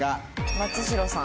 松代さん。